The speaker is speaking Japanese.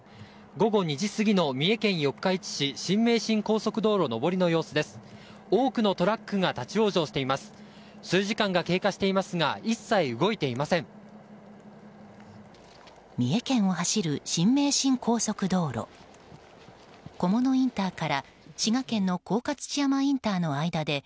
午後２時過ぎの三重県四日市市新名神高速道路の上りの様子です。